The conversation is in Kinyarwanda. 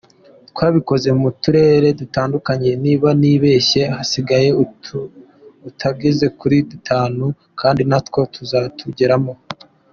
Twabikoze mu turere dutandukanye, niba ntibeshye hasigaye ututageze kuri dutanu kandi natwo tuzatugeramo.